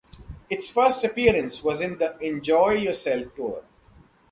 Its first appearance was in the Enjoy Yourself Tour.